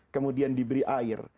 kemudian diberi air